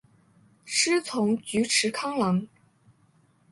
师从菊池康郎。